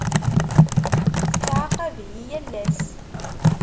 Tettɛaqab-iyi yal ass.